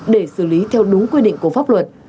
để xử lý theo đúng quy định của pháp luật